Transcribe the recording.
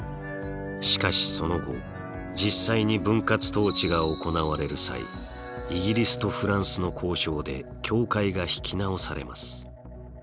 しかしその後実際に分割統治が行われる際イギリスとフランスの交渉で境界が引き直されます。